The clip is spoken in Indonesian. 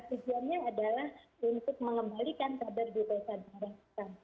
tujuannya adalah untuk mengembalikan kadar glukosa darah kita